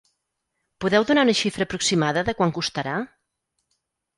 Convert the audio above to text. Podeu donar una xifra aproximada de quant costarà?